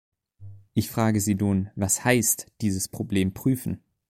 Ich frage Sie nun, was heißt, dieses Problem prüfen?